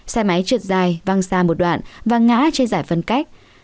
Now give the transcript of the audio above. xe máy trượt dài văng xa một đoạn và ngã trên giải phân cách